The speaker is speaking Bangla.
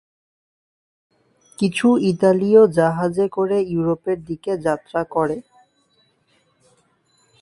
কিছু ইতালীয় জাহাজে করে ইউরোপের দিকে যাত্রা করে।